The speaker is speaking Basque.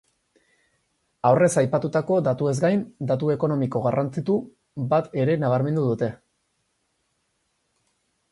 Aurrez aipatutako datuez gain, datu ekonomiko garrantzitu bat ere nabarmendu dute.